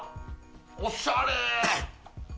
おしゃれ！